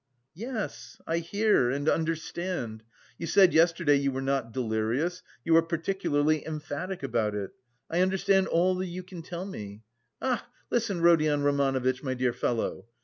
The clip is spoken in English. "Yes, I hear and understand. You said yesterday you were not delirious, you were particularly emphatic about it! I understand all you can tell me! A ach!... Listen, Rodion Romanovitch, my dear fellow.